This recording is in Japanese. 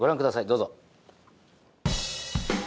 どうぞ。